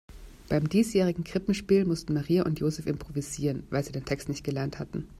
Beim diesjährigen Krippenspiel mussten Maria und Joseph improvisieren, weil sie den Text nicht gelernt hatten.